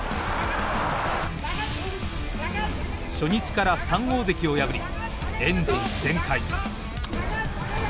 初日から三大関を破りエンジン全開。